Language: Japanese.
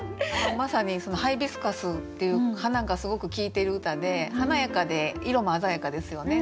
まさにハイビスカスっていう花がすごく効いてる歌で華やかで色も鮮やかですよね。